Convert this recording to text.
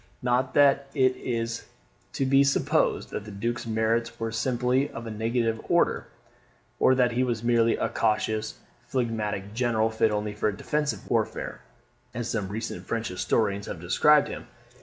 Not that it is to be supposed that the Duke's merits were simply of a negative order, or that he was merely a cautious, phlegmatic general fit only for defensive warfare, as some recent French historians have described him.